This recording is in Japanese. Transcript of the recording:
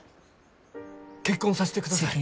結婚さしてください。